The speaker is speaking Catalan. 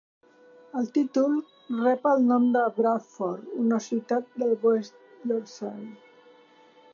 El títol rep el nom de Bradford, una ciutat de West Yorkshire.